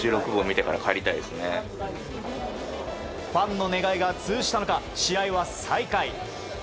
ファンの願いが通じたのか試合は再開。